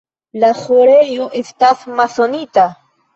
La ĥorejo estas masonita.